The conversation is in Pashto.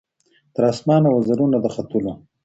تر اسمانه وزرونه د ختلو